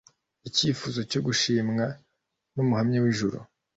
icyifuzo cyo gushimwa n'Umuhamya w'ijuru.